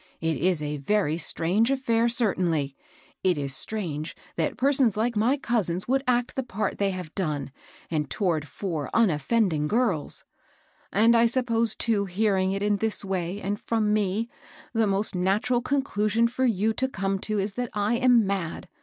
It is a very strange affidr certainly. It A LEGAL FBIENB. 261 f is strange that persons like my cousins would act the part they have done, and toward four unoffend ing girls ; and I suppose, too, hearing it this tray, and from me, the most natural conclusion for you to come to is that I am mad.